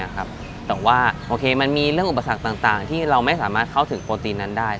แต่ว่าโอเคมันมีเรื่องอุปสรรคต่างที่เราไม่สามารถเข้าถึงโปรตีนนั้นได้